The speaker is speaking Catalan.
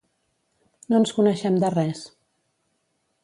No ens coneixem de res.